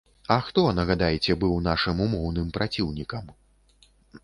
А хто, нагадайце, быў нашым умоўным праціўнікам?